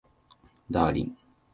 ダーリン